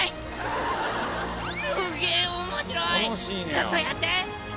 ずっとやって！